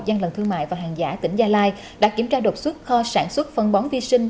gian lận thương mại và hàng giả tỉnh gia lai đã kiểm tra đột xuất kho sản xuất phân bón vi sinh